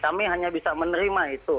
kami hanya bisa menerima itu